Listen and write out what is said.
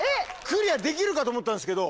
クリアできるかと思ったんですけど。